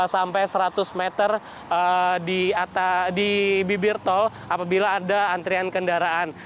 sampai seratus meter di bibir tol apabila ada antrian kendaraan